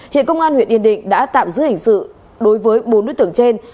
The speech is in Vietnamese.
hiện công an huyện yên định đã tạm giữ hình sự đối với bốn đối tượng trên